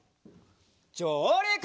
じょうりく！